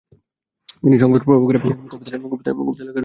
তিনি সংবাদ প্রভাকরে কবিতা লেখার সুযোগ পান।